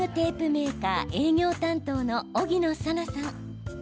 メーカー営業担当の荻野紗奈さん。